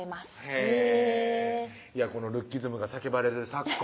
へぇこのルッキズムが叫ばれる昨今